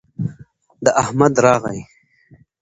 د احمد راغى